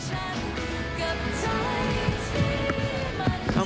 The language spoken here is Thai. กลับมีรักที่ฉัน